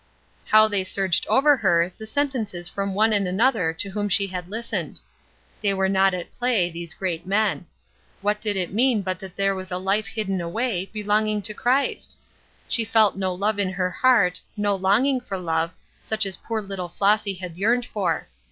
How they surged over her, the sentences from one and another to whom she had listened! They were not at play, these great men. What did it mean but that there was a life hidden away, belonging to Christ? She felt no love in her heart, no longing for love, such as poor little Flossy had yearned for.